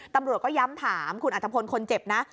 ตำรวจก็ย้ำถามคุณอัตภพลคนเจ็บนะ